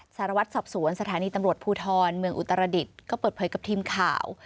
สารวัตรสอบสวนสถานีตำรวจภูทรเมืองอุตรดิษฐ์ก็เปิดเผยกับทีมข่าว